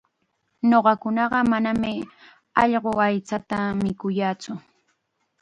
Ñuqakunaqa manam allqu aychata mikuyaatsu.